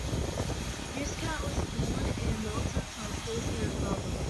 Muscat was born in Malta to a policeman father.